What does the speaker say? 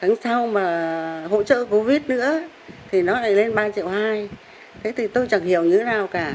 tháng sau mà hỗ trợ tiền điện